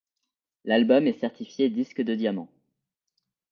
L'album est certifié disque de diamant.